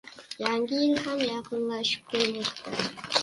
Yangi yil ham yaqinlashib kelmoqda